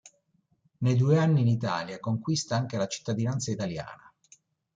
Nei due anni in Italia conquista anche la cittadinanza italiana.